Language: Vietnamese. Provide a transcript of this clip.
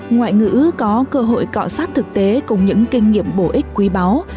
ngoại ngữ có cơ hội cọ sát thực tế cùng những kinh nghiệm bổ ích quý báu